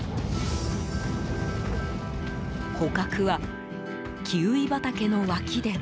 捕獲は、キウイ畑の脇でも。